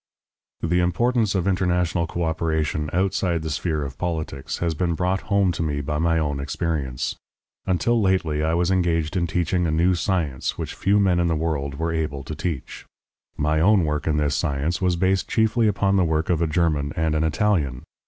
The importance of international coöperation outside the sphere of politics has been brought home to me by my own experience. Until lately I was engaged in teaching a new science which few men in the world were able to teach. My own work in this science was based chiefly upon the work of a German and an Italian.